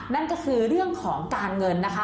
นั่นก็คือเรื่องของการเงินนะคะ